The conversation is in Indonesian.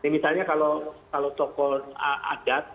misalnya kalau tokoh adat